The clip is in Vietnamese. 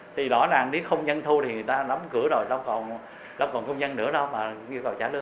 thì rõ ràng nếu không dân thô thì người ta đóng cửa rồi đâu còn công dân nữa đâu mà yêu cầu trả lương